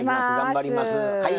頑張りますはい。